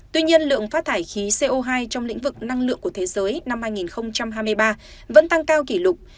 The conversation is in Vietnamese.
tuy nhiên lượng phát thải khí co hai trong lĩnh vực năng lượng của thế giới năm hai nghìn hai mươi ba vẫn tăng cao kỷ lục